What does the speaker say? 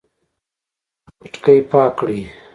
پټکی پاک کړئ